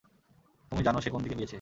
তুমি জানো সে কোন দিকে গিয়েছে।